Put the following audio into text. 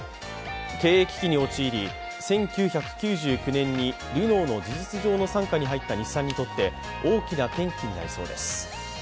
経営危機に陥り、１９９９年にルノーの事実上の傘下に入った日産にとって大きな転機になりそうです。